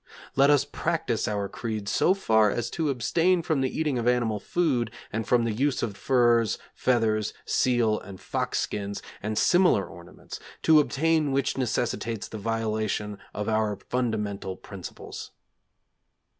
Let us practise our creed so far as to abstain from the eating of animal food, and from the use of furs, feathers, seal and fox skins, and similar ornaments, to obtain which necessitates the violation of our fundamental principles.